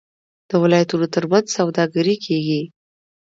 د ولایتونو ترمنځ سوداګري کیږي.